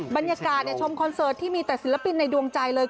บรรยากาศชมคอนเสิร์ตที่มีแต่ศิลปินในดวงใจเลย